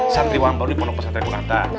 santri wang baru di pono pesantren kunanta